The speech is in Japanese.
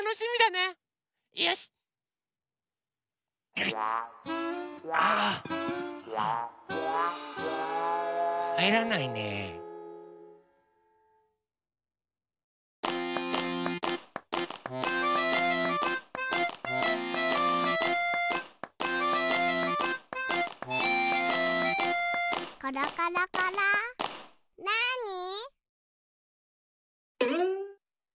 なに？